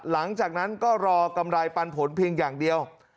หลังจากนั้นก็รอกำไรปันผลเพียงอย่างเดียว